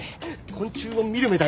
昆虫を見る目だよ。